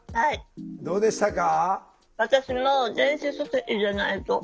どうでしたか？